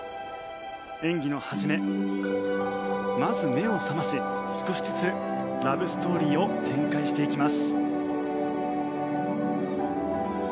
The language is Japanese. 演技の初め、まず目を覚まし少しずつラブストーリーを展開していきます。